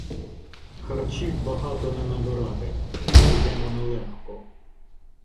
Харчів багато не набирати — підемо налегко.